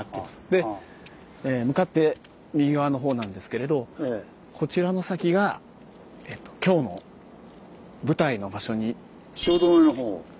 で向かって右側のほうなんですけれどこちらの先が汐留のほう。